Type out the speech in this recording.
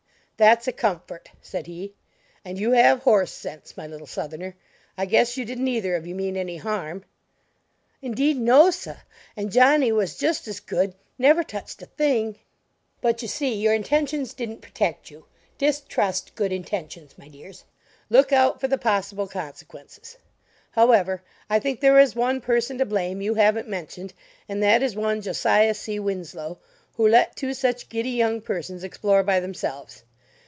"That's a comfort," said he, "and you have horse sense, my little Southerner. I guess you didn't either of you mean any harm " "Indeed, no, sah, and Johnny was just as good; never touched a thing " "But you see your intentions didn't protect you. Distrust good intentions, my dears; look out for the possible consequences. However, I think there is one person to blame you haven't mentioned, and that is one Josiah C. Winslow, who let two such giddy young persons explore by themselves.